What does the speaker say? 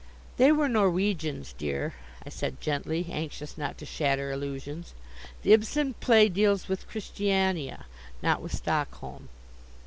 "They were Norwegians, dear," I said gently, anxious not to shatter illusions; "the Ibsen plays deal with Christiania, not with Stockholm."